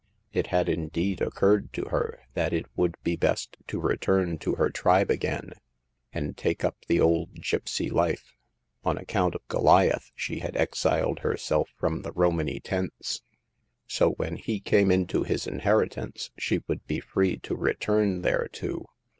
It had, indeed, occurred to her that it would be best to return to her tribe again, and take up the old gipsy life. On account of Go liath she had exiled herself from the Romany tents ; so when he came into his inheritance she would be free to return thereto.